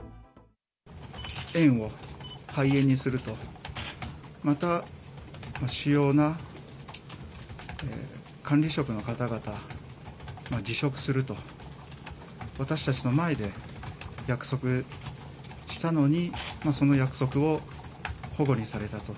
園を廃園にすると、また、主要な管理職の方々、辞職すると、私たちの前で約束したのに、その約束をほごにされたと。